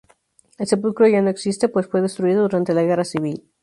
El sepulcro ya no existe, pues fue destruido durante la Guerra Civil.